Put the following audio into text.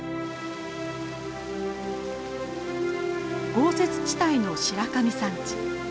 豪雪地帯の白神山地。